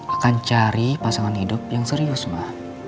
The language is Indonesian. akan cari pasangan hidup yang serius mbak